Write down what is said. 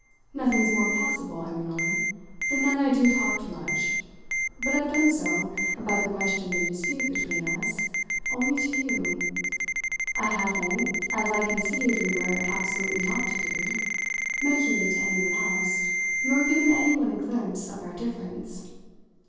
Nothing is more possible," I went on, "than that I do talk too much; but I've done so about the question in dispute between us only to you. I haven't, as I conceived we were absolutely not to do, mentioned it to anyone else, nor given anyone a glimpse of our difference.